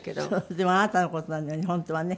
でもあなたの事なのに本当はね。